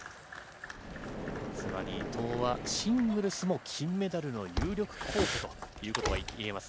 つまり伊藤は、シングルスも金メダルの有力候補ということがいえます。